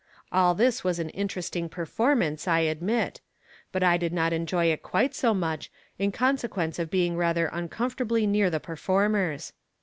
All this was an interesting performance I admit; but I did not enjoy it quite so much, in consequence of being rather uncomfortably near the performers.